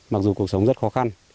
mặc dù cuộc sống rất khó khăn